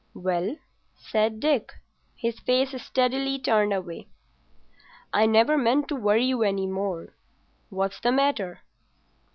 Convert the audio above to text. "Well?" said Dick, his face steadily turned away. "I never meant to worry you any more. What's the matter?"